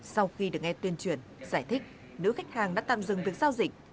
sau khi được nghe tuyên truyền giải thích nữ khách hàng đã tạm dừng việc giao dịch